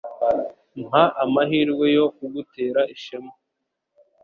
Mpa amahirwe yo kugutera ishema.